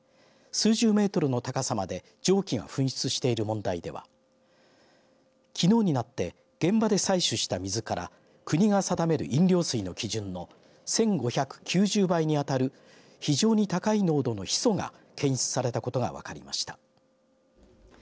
現場で数十メートルの高さまで蒸気が噴出している問題ではきのうになって現場で採取した水から国が定める飲料水の基準の１５９０倍に当たる非常に高い濃度のヒ素が検出されたことが分かりました。